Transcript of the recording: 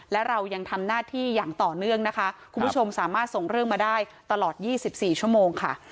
และเรายังทำหน้าที่อย่างต่อเนื่องนะคะคุณผู้ชมสามารถส่งเรื่องมาได้ตลอด๒๔ชั่วโมงค่ะ